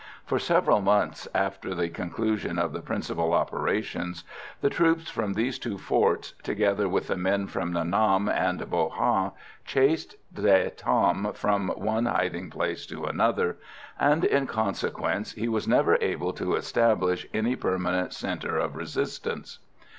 For several months after the conclusion of the principal operations, the troops from these two forts, together with the men from Nha Nam and Bo Ha, chased De Tam from one hiding place to another; and, in consequence, he was never able to establish any permanent centre of resistance.